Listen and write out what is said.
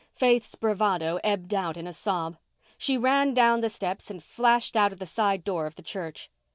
Faith's bravado ebbed out in a sob. She ran down the steps and flashed out of the side door of the church.